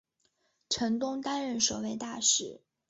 陈东担任首位大使。